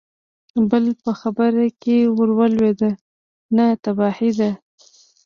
بل په خبره کې ور ولوېد: نه، تباهي ده!